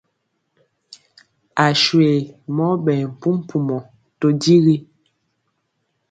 Aswe mɔ ɓɛɛ mpumpumɔ to digi.